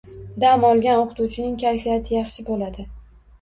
Dam olgan o‘qituvchining kayfiyati yaxshi bo‘ladi